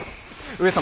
上様！